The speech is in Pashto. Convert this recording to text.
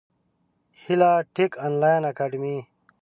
هیله ټېک انلاین اکاډمي